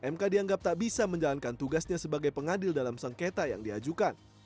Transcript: mk dianggap tak bisa menjalankan tugasnya sebagai pengadil dalam sengketa yang diajukan